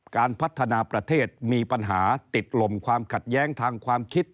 การพัฒนาประเทศมีปัญหาติดลมความขัดแย้งทางความคิด